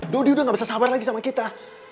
dodi udah gak bisa sabar lagi sama kita